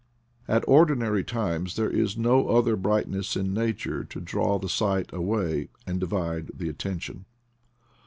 At ordinary times there is no other brightness in nature to draw the sight away and divide the attention.